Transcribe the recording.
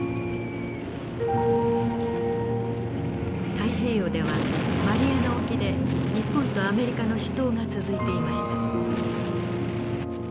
太平洋ではマリアナ沖で日本とアメリカの死闘が続いていました。